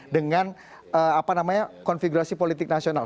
dengan konfigurasi politik nasional